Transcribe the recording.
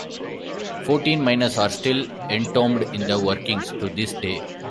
Fourteen miners are still entombed in the workings to this day.